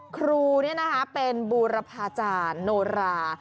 ครูเป็นบูรพาจารย์โนรา